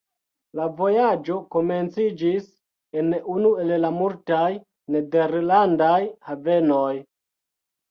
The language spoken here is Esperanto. La vojaĝo komenciĝis en unu el la multaj nederlandaj havenoj.